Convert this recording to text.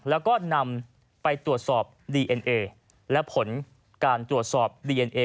แล้วก็นำไปตรวจสอบดีเอ็นเอและผลการตรวจสอบดีเอ็นเอ